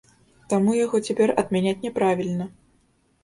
Таму яго цяпер адмяняць няправільна.